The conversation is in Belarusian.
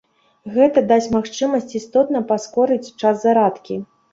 Гэта дасць магчымасць істотна паскорыць час зарадкі.